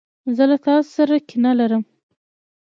زه له تاسو سره کینه لرم.